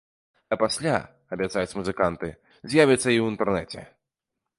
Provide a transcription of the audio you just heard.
А пасля, абяцаюць музыканты, з'явіцца і ў інтэрнэце.